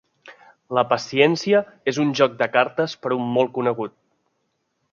La paciència és un joc de cartes per un molt conegut